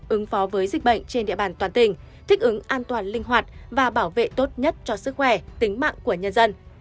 ứng phó với dịch bệnh trên địa bàn toàn tỉnh thích ứng an toàn linh hoạt và bảo vệ tốt nhất cho sức khỏe tính mạng của nhân dân